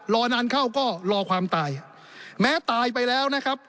รอนานเข้าก็รอความตายแม้ตายไปแล้วนะครับ